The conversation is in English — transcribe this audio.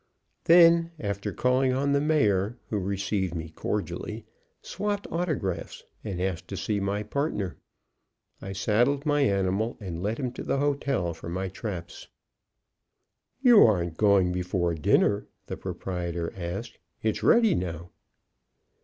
Then after calling on the Mayor, who received me cordially, swapped autographs, and asked to see my partner, I saddled my animal and led him to the hotel for my traps. "You aren't going before dinner?" the proprietor asked; "it's ready now."